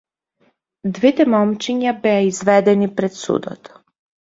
Двете момчиња беа изведени пред судот.